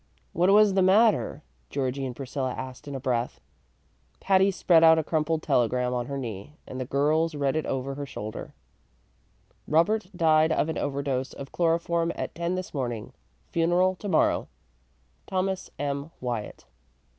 "What was the matter?" Georgie and Priscilla asked in a breath. Patty spread out a crumpled telegram on her knee, and the girls read it over her shoulder: Robert died of an overdose of chloroform at ten this morning. Funeral to morrow. THOMAS M. WYATT.